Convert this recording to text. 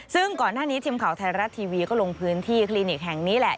ซึ่งก่อนหน้านี้ทีมข่าวไทยรัฐทีวีก็ลงพื้นที่คลินิกแห่งนี้แหละ